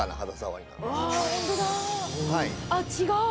あっ違う！